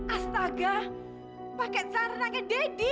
astaga pake zarnaknya daddy